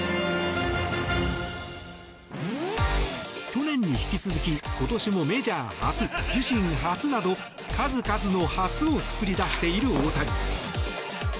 去年に引き続き今年もメジャー初、自身初など数々の初を作り出している大谷。